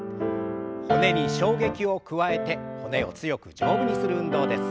骨に衝撃を加えて骨を強く丈夫にする運動です。